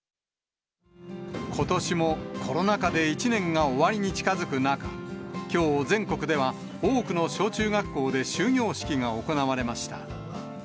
ことしもコロナ禍で１年が終わりに近づく中、きょう全国では、多くの小中学校で終業式が行われました。